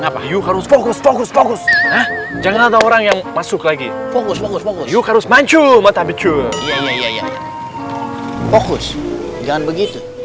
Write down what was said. fokus fokus fokus jangan ada orang yang masuk lagi fokus fokus fokus jangan begitu